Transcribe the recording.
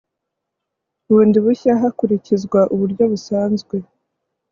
bundi bushya hakurikizwa uburyo busanzwe